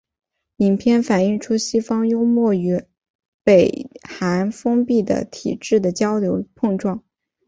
影片反映出西方幽默与北韩封闭的体制的交流碰撞。